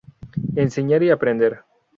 Enseñar y aprender.